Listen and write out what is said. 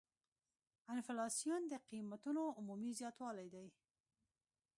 انفلاسیون د قیمتونو عمومي زیاتوالی دی.